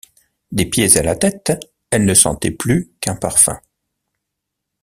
Des pieds à la tête, elle ne sentait plus qu’un parfum.